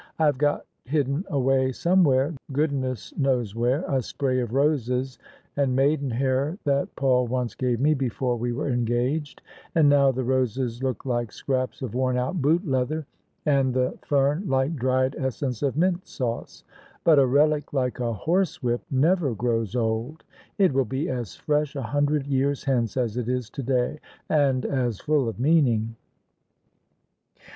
IVe got hidden away somewhere — goodness knows where! — 3, spray of roses and maiden hair that Paul once gave me before we were engaged: and now the roses look like scraps of worn out boot leather, and the THE SUBJECTION OF ISABEL CARNABY fern like dried essence of mint sauce. But a relic like a horsewhip never grows old ! It will be as fresh a hundred years hence as it is today — and as full of meaning."